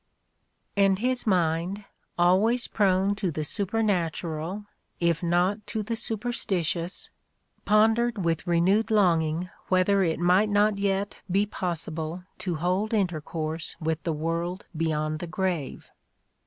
And his mind, always prone to the super natural, if not to the superstitious, pondered with renewed longing whether it might not yet be possible to hold intercourse with the world beyond the grave.